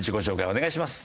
お願いします。